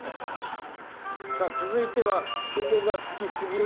さぁ続いては。